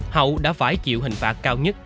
hậu đã phải chịu hình phạt cao nhất